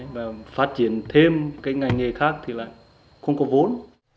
và phát triển thêm cái ngành nghề khác thì lại không có vốn